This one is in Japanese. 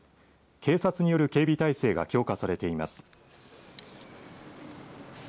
警察による警備態勢が強化されています。